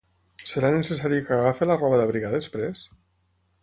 Serà necessari que agafi la roba d'abrigar després?